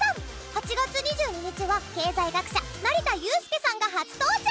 ８月２２日は経済学者成田悠輔さんが初登場！